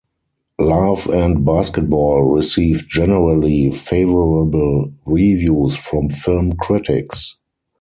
"Love and Basketball" received generally favorable reviews from film critics.